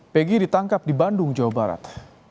pegi ditangkap di bandung jawa barat